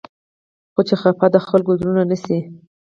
خو چې خفه د خلقو زړونه نه شي